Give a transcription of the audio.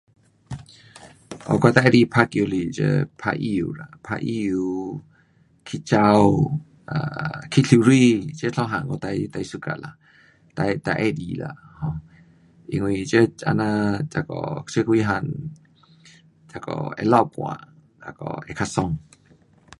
哦我最喜欢打球是这打羽球啦，羽球去跑去游泳，这三样我最 suka 啦。最，最喜欢啦。因为这这样，这几样会流汗。那个会较爽。